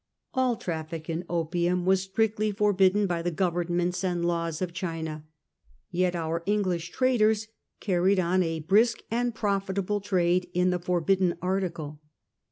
All traffic in opium was strictly forbidden by the governments and laws of China. Yet our English traders carried on a brisk and profitable trade in the forbidden article.